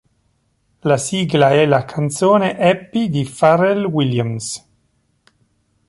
La sigla è la canzone "Happy" di Pharrell Williams.